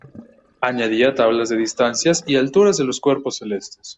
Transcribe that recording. Añadía tablas de distancias y alturas de los cuerpos celestes.